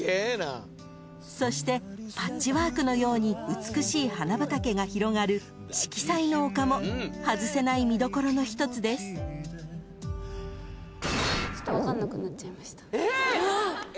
［そしてパッチワークのように美しい花畑が広がる四季彩の丘も外せない見どころの一つです］えっ！？